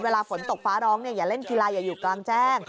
เวลาฝนตกฟ้าร้องอย่าเล่นกีฬาอย่าอยู่กลางแจ้ง